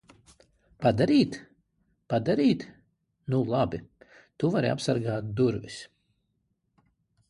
Padarīt? Padarīt? Nu labi. Tu vari apsargāt durvis.